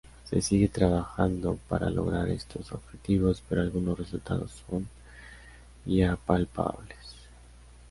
Se sigue trabajando para lograr estos objetivos pero algunos resultados son ya palpables.